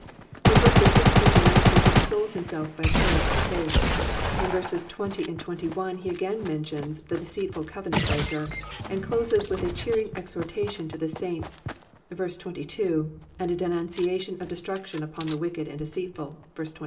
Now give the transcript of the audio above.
From verses 1% to 19 he consoles himsdf by prayer and faith; in verses 20 and 21 he again mentions the deceitful convenant breaker, and closes with a cheering exhortation to the saints {verse 22), and a denunciation ofde strudion upon the wicked and deceitful {verse 23).